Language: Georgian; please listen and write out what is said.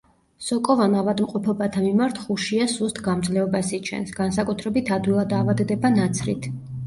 სოკოვან ავადმყოფობათა მიმართ ხუშია სუსტ გამძლეობას იჩენს, განსაკუთრებით ადვილად ავადდება ნაცრით.